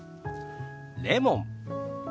レモン。